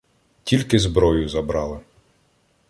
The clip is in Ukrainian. Тільки зброю забрали.